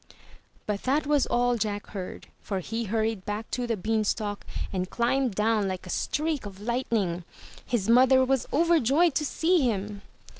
But that was all Jack heard, for he hurried back to the beanstalk and climbed down like a streak of lightning. His mother was overjoyed to see him.